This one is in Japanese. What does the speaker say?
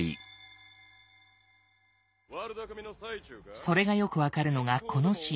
それがよく分かるのがこのシーン。